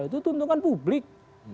itu tuntukan publik